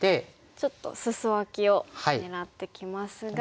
ちょっとスソアキを狙ってきますが。